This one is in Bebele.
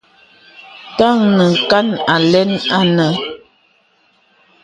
Taŋi nī kǎ ālɛn anə̄.